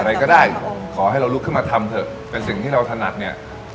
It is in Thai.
อะไรก็ได้ขอให้เราลุกขึ้นมาทำเถอะเป็นสิ่งที่เราถนัดเนี่ย